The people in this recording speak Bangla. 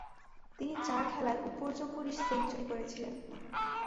তিনি চার খেলায় উপর্যুপরি সেঞ্চুরি করেছিলেন।